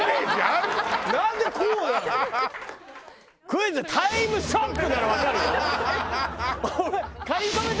『クイズタイムショック』ならわかるよ。